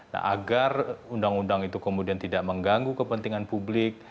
nah agar undang undang itu kemudian tidak mengganggu kepentingan publik